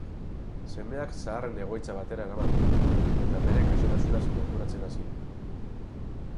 Semeak zaharren egoitza batera eraman du, eta bere gaixotasunaz konturatzen hasi da.